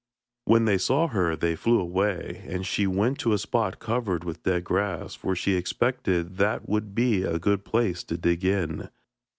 When they saw her they flew away, and she went to a spot covered with dead grass, for she expected that would be a good place to dig in.